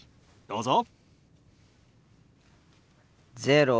どうぞ。